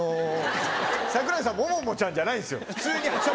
櫻井さん、もももちゃんじゃないんですよ、普通に。